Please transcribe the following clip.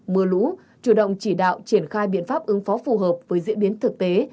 mưa lũ chủ động chỉ đạo triển khai biện pháp ứng phó phù hợp với diễn biến thực tế